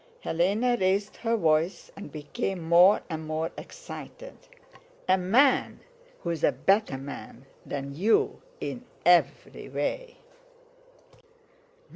Hélène raised her voice and became more and more excited, "A man who's a better man than you in every way..."